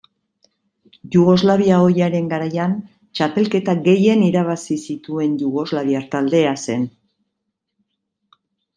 Jugoslavia ohiaren garaian, txapelketa gehien irabazi zituen jugoslaviar taldea zen.